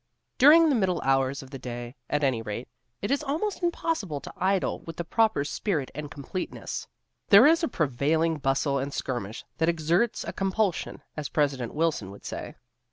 During the middle hours of the day, at any rate, it is almost impossible to idle with the proper spirit and completeness. There is a prevailing bustle and skirmish that "exerts a compulsion," as President Wilson would say.